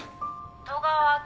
戸川君。